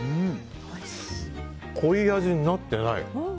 濃い味になっていない。